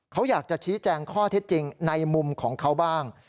เขาอยากจะชี้แจงข้อเท็จจริงในมุมของเขาบ้าง